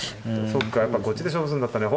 そうかやっぱこっちで勝負するんだったね。